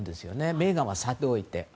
メーガンはさておいて。